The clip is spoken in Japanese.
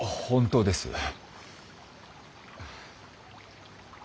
本当です。